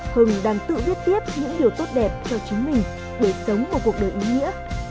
hưng đang tự viết tiếp những điều tốt đẹp cho chính mình để sống một cuộc đời ý nghĩa